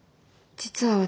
実は私。